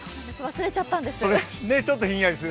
忘れちゃったんです。